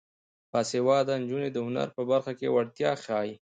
باسواده نجونې د هنر په برخه کې وړتیا ښيي.